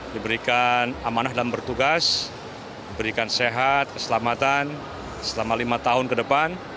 diberikan amanah dalam bertugas diberikan sehat keselamatan selama lima tahun ke depan